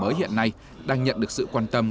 mới hiện nay đang nhận được sự quan tâm